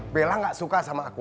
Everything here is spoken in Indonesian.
bella gak suka sama aku